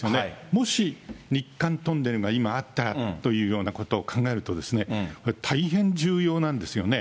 もし、日韓トンネルが今あったらというようなことを考えると、これ、大変重要なんですよね。